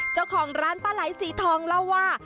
เจ้าของร้านปลาไหลสีทองเล่าว่า